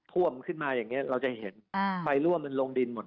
ท่วมขึ้นมาอย่างนี้เราจะเห็นไฟรั่วมันลงดินหมด